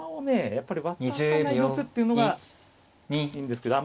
やっぱり渡さないコツっていうのがいいんですけど。